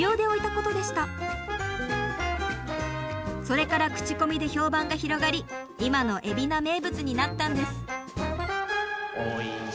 それから口コミで評判が広がり今の海老名名物になったんです。